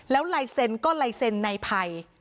แล้วไลเซนก็ไลเซนในภัย